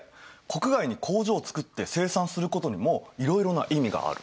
国外に工場を作って生産することにもいろいろな意味がある。